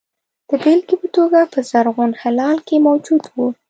د بېلګې په توګه په زرغون هلال کې موجود وو.